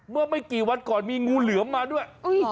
เมื่อไม่กี่วันก่อนมีงูเหลือมมาด้วย